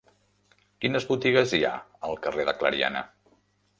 Quines botigues hi ha al carrer de Clariana?